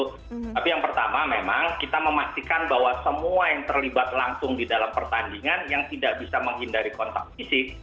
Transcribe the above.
tapi yang pertama memang kita memastikan bahwa semua yang terlibat langsung di dalam pertandingan yang tidak bisa menghindari kontak fisik